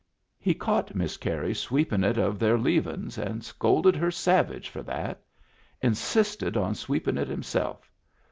He caught Miss Carey sweepin' it of their leavin's and scolded her savage for that Insisted on sweepin' it himself.